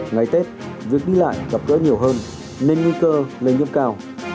ngày tết việc đi lại gặp gỡ nhiều hơn nên nguy cơ lây nhiễm cao